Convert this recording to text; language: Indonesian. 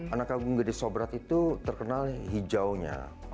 anak agung gede sobrat itu terkenal hijaunya